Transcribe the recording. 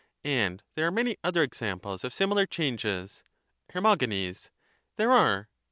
and there are many other examples of similar changes. Her. There are.